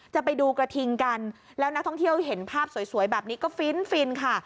จะไปดูกระทิงกันแล้วนักท่องเที่ยวเห็นภาพสวยแบบนี้ก็ฟินฟินค่ะ